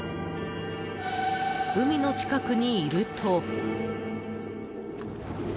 海の近くにいると。